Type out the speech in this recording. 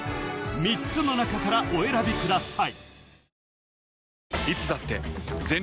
３つの中からお選びください